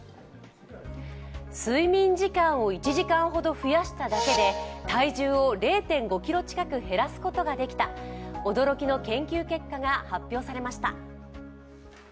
睡眠時間を１時間ほど増やしただけで体重を０．５ｋｇ近く減らすことができた驚きの研究結果が発表されました。